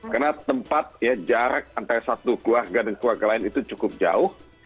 karena tempat jarak antara satu keluarga dan keluarga lain itu cukup jauh